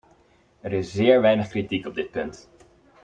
Er is zeer weinig kritiek op dit punt.